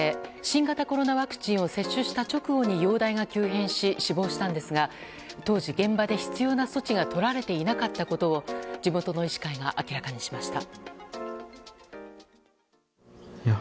新型コロナワクチンを接種した直後に容体が急変し死亡したんですが当時、現場で必要な措置がとられていなかったことを地元の医師会が明らかにしました。